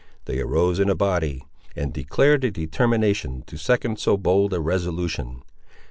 They arose in a body, and declared their determination to second so bold a resolution.